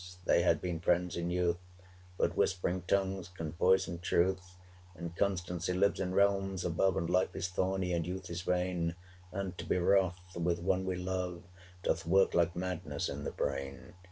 they had been friends in youth; But whispering tongues can poison truth; And constancy lives in realms above; 410 And life is thorny; and youth is vain; And to be wroth with one we love Doth work like madness in the brain.